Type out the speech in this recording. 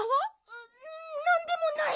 あなんでもない！